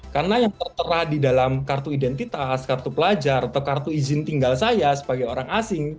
karena yang tertera di dalam kartu identitas kartu pelajar atau kartu izin tinggal saya sebagai orang asing